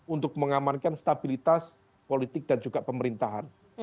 untuk mengamankan stabilitas politik dan juga pemerintahan